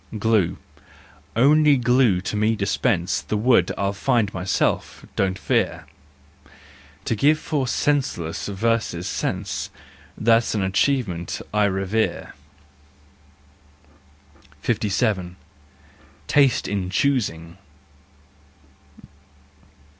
Glue, only glue to me dispense, The wood I'll find myself, don't fear! To give four senseless verses sense— That's an achievement I revere! JEST, RUSE AND REVENGE 2 7 57 . Taste in Choosing